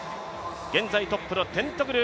現在トップのテントグル